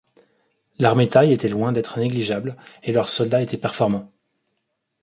L'armée thaïe était loin d'être négligeable et leurs soldats étaient performants.